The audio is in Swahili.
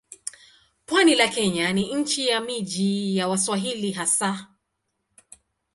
Pwani la Kenya ni nchi ya miji ya Waswahili hasa.